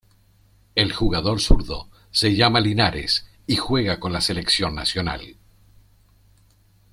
El jugador zurdo se llama Linares y juega con la selección nacional.